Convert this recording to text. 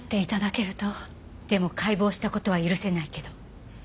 でも解剖した事は許せないけど。